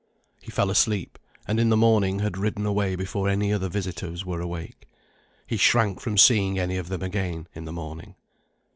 He fell asleep, and in the morning had ridden away before any other visitors were awake. He shrank from seeing any of them again, in the morning.